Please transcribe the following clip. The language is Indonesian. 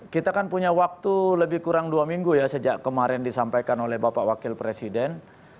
kita kan punya waktu lebih kurang dua minggu ya sejak kemarin disampaikan oleh bapak wakil presiden